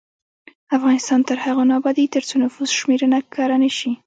افغانستان تر هغو نه ابادیږي، ترڅو نفوس شمېرنه کره نشي.